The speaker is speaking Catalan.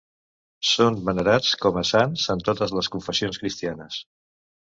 Són venerats com a sants en totes les confessions cristianes.